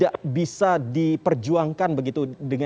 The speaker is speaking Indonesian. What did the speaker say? apakah judul kita sudah kena tentang itu dulu